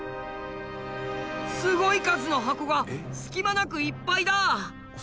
すごい数の箱が隙間なくいっぱいだ。